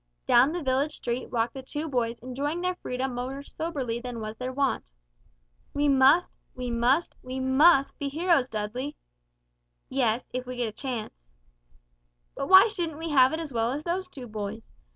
Down the village street walked the two boys enjoying their freedom more soberly than was their wont. "We must, we must, we must be heroes, Dudley!" "Yes, if we get a chance." "But why shouldn't we have it as well as those two boys.